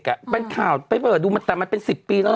มันเป็นข่าวดูมันตามมาเป็น๑๐ปีแล้ว